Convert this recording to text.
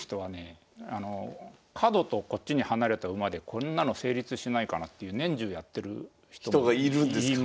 角とこっちに離れた馬でこんなの成立しないかなっていう人がいるんですか？